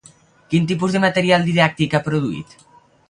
Quin tipus de material didàctic ha produït?